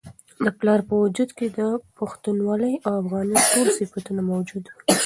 د پلار په وجود کي د پښتونولۍ او افغانیت ټول صفتونه موجود وي.